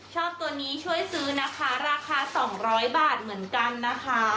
ชอบตัวนี้ช่วยซื้อนะคะราคา๒๐๐บาทเหมือนกันนะคะ